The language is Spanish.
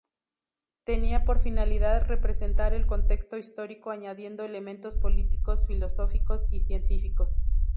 Tenía por finalidad representar el contexto histórico añadiendo elementos políticos, filosóficos y científicos.